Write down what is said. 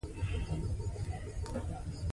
په قبر یې اختلاف روان دی.